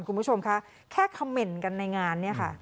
คุณผู้ชมคะแค่คำเมนต์กันในงานเนี่ยค่ะ